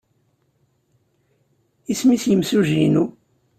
Isem-nnes yimsujji-inu?